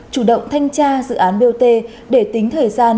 chủ động thanh tra dự án bot để tính thời gian